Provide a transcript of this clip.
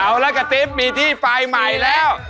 เอาล่ะกะติ๊วมีที่ไปใหม่แล้ว